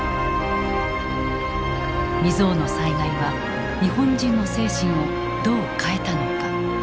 未曽有の災害は日本人の精神をどう変えたのか。